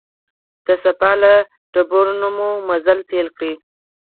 د صفا له تیږو نه مو مزل پیل کړ.